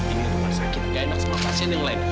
ini rumah sakit nggak enak sama pasien yang lain